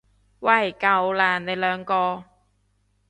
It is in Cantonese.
喂夠喇，你兩個！